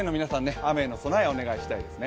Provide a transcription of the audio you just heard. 雨への備え、お願いしたいですね。